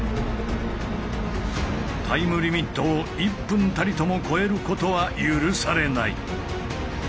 タイムリミットを１分たりともこえることは許されない。